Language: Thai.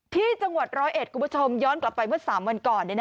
ที่จังหวัดร้อยเอ็ดคุณผู้ชมย้อนกลับไปเมื่อ๓วันก่อน